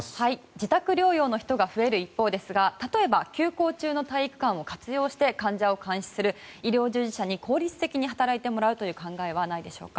自宅療養の人が増える一方ですが例えば、休校中の体育館を活用して患者を監視する医療従事者に効率的に働いてもらうということは考えられないですか？